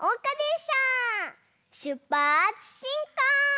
しゅっぱつしんこう！